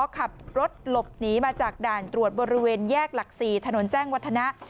ขับรถหลบหนีมาจากด่านตรวจบริเวณแยกหลัก๔ถนนแจ้งวัฒนะ